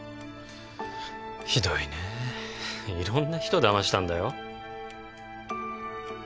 ひどいねえ色んな人だましたんだよ